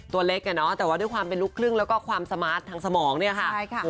ตัวเล็กอะเนาะแต่ว่าด้วยความเป็นลูกครึ่งแล้วก็ความสมาร์ททางสมองเนี่ยค่ะ